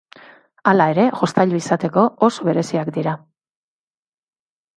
Hala ere, jostailu izateko oso bereziak dira.